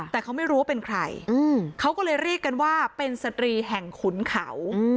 แต่เขาไม่รู้ว่าเป็นใครเขาก็เลยเรียกกันว่าเป็นสตรีแห่งขุนเขา